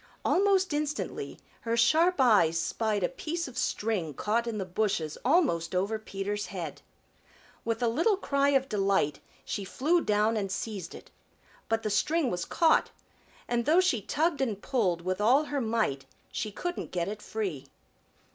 Almost instantly her sharp eyes spied a piece of string caught in the bushes almost over Peter's head. With a little cry of delight she flew down and seized it. But the string was caught, and though she tugged and pulled with all her might she couldn't get it free.